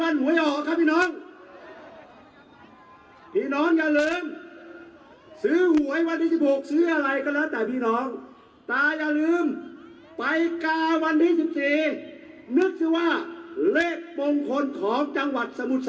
อาจจะเป็นเลขหลายสามตัวก็ได้นะพี่น้องนะ